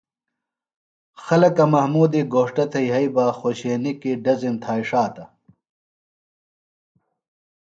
خلکہ محمودی گھوݜٹہ تھےۡ یھئی بہ خوشینیۡ کیۡ ڈزم تھائی ݜاتہ۔